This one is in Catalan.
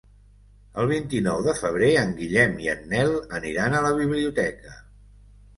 El vint-i-nou de febrer en Guillem i en Nel aniran a la biblioteca.